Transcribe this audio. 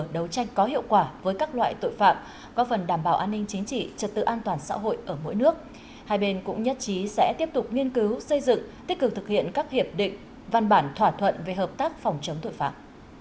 đồng chí sẽ tiếp tục nghiên cứu xây dựng tích cực thực hiện các hiệp định văn bản thỏa thuận về hợp tác phòng chống tội phạm